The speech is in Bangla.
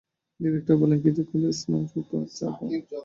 ডিরেক্টর বললেন, কিছুক্ষণ রেস্ট নাও রূপা, চা খাও।